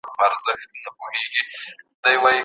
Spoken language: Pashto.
مشرانو به د هیواد د ازادۍ لپاره قربانۍ ورکولي.